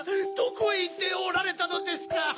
どこへいっておられたのですか